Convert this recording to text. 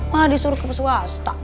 malah disuruh ke pesuasta